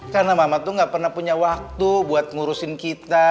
karena mama tuh gak pernah punya waktu buat ngurusin kita